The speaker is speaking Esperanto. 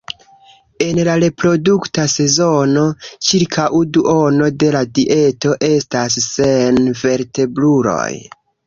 En la reprodukta sezono, ĉirkaŭ duono de la dieto estas senvertebruloj.